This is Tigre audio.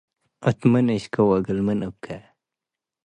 እት ምን እሽኬ ወእግል ምን እብኬ።